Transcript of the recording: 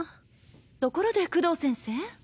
ところで工藤先生？